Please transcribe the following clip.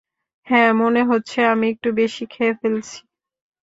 হ্যাঁ মনে হচ্ছে আমি একটু বেশি খেয়ে ফেলছি।